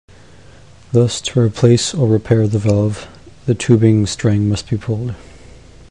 Thus, to replace or repair the valve, the tubing string must be pulled.